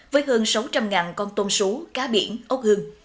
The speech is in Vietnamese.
với hơn sáu trăm linh con tôn số cá biển ốc hương